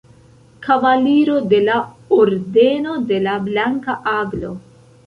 Kavaliro de la Ordeno de la Blanka Aglo.